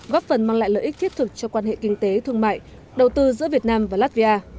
góp phần mang lại lợi ích thiết thực cho quan hệ kinh tế thương mại đầu tư giữa việt nam và latvia